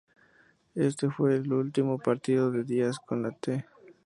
Éste fue el último partido de Díaz con la "T".